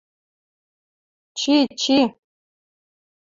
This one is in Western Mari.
Чи, чи.